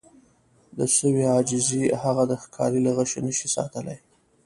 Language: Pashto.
د سویې عاجزي هغه د ښکاري له غشي نه شي ساتلی.